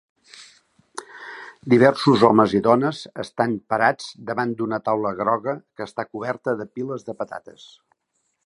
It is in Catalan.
Diversos homes i dones estan parats davant d'una taula groga que està coberta de piles de patates